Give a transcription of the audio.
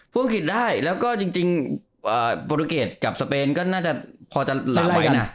พูดลงคิดได้แล้วก็จริงโปรดูเกรดกับสเปนก็น่าจะพอจะหลากไว้น่ะ